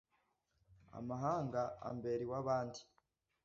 Amahanga ambera iw'aband